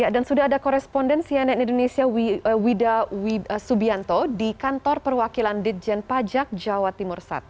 dan sudah ada korespondensi yang ada di indonesia widah subianto di kantor perwakilan djp jatim